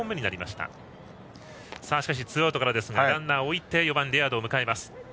しかしツーアウトからですがランナーを置いて４番のレアードを迎えます。